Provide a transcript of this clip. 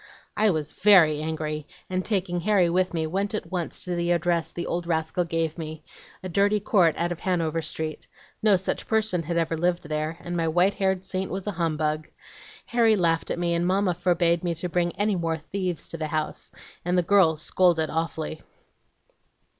"I was VERY angry, and, taking Harry with me, went at once to the address the old rascal gave me, a dirty court out of Hanover Street No such person had ever lived there, and my white haired saint was a humbug. Harry laughed at me, and Mamma forbade me to bring any more thieves to the house, and the girls scolded awfully.